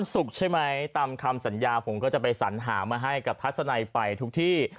ศุกร์ใช่ไหมตามคำสัญญาผมก็จะไปสัญหามาให้กับทัศนัยไปทุกที่